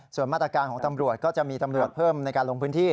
ส่วนมาตรการของตำรวจก็จะมีตำรวจเพิ่มในการลงพื้นที่